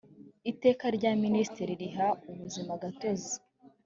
iteka rya minisitiri riha ubuzimagatozi